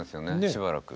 しばらく。